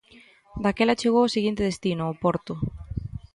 Daquela chegou o seguinte destino: o porto.